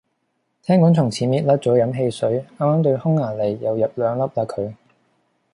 聽講從此搣甩咗飲汽水，啱啱對匈牙利又入兩粒嘞佢